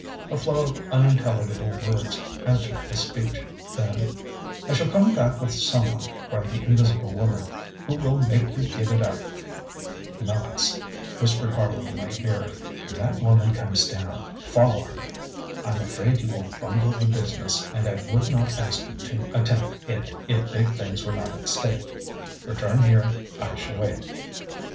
ŌĆØ A flow of unintelligible words answered this speech, then: ŌĆ£I shall come back with someone, ŌĆØ cried the invisible woman, ŌĆ£who will make you give it up! ŌĆØ ŌĆ£Knox, ŌĆØ whispered Harley in my ear, ŌĆ£when that woman comes down, follow her! I'm afraid you will bungle the business, and I would not ask you to attempt it if big things were not at stake. Return here; I shall wait.